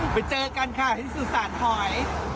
ไปเจอกันค่ะที่สุสานหอย